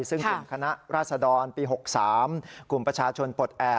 ซึ่งเป็นคณะราษฎรปี๖๓กลุ่มประชาชนปลดแอบ